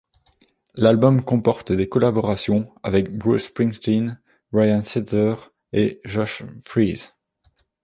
L'album comporte des collaborations avec Bruce Springsteen, Brian Setzer et Josh Freese.